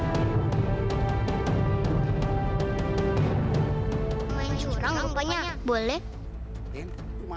yakinya warrior apoteknya haruslah menunggu ya